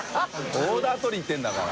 オーダー取りに行ってるんだから。